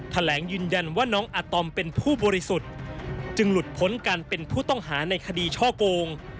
แถลงยืนยันว่าน้องอาตอมเป็นผู้บริสุทธิ์จึงหลุดพ้นการเป็นผู้ต้องหาในคดีช่อโกง